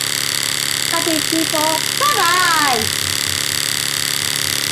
Happy people come on!